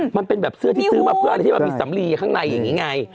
มันเป็นแบบเสื้อที่ซื้อมาเพื่ออะไรที่มันมีสำลีข้างในอย่างนี้ไง